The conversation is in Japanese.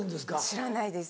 知らないです。